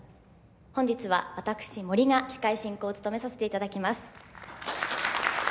本日は私森が司会進行を務めさせていただきます。